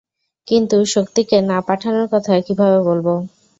কিন্তু শক্তিকে না পাঠানোর কথা কীভাবে বলব?